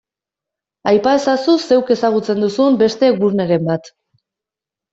Aipa ezazu zeuk ezagutzen duzun beste guneren bat.